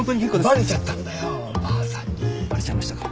バレちゃいましたか。